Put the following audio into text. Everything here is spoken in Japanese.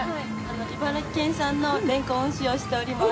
茨城県産のれんこんを使用しております。